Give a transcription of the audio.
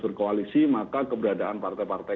berkoalisi maka keberadaan partai partai